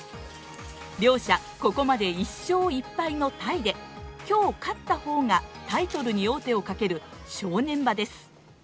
両者ここまで１勝１敗のタイで今日勝った方がタイトルに王手をかける正念場です。